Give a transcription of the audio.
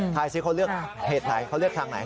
ซิเขาเลือกเพจไหนเขาเลือกทางไหน